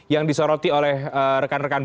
yang disoroti oleh rekan rekan